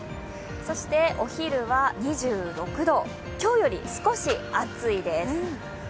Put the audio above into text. お昼は２６度、今日より少し暑いです